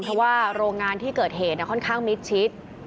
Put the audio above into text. เพราะว่าโรงงานที่เกิดเหตุค่อนข้างมิดชิด